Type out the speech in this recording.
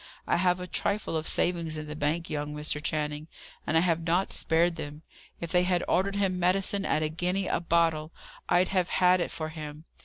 I have a trifle of savings in the bank, young Mr. Channing, and I have not spared them. If they had ordered him medicine at a guinea a bottle, I'd have had it for him.